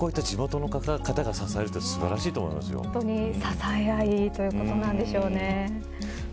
それをこういった地元の方が支えるのは本当に支え合いということなんでしょうね。